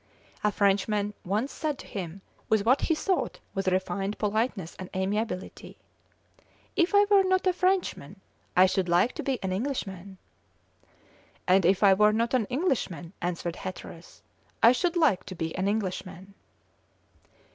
A Frenchman once said to him, with what he thought was refined politeness and amiability: "If I were not a Frenchman I should like to be an Englishman." "And if I were not an Englishman," answered Hatteras, "I should like to be an Englishman."